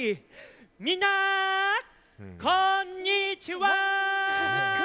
みんな、こんにちはー！